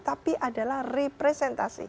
tapi adalah representasi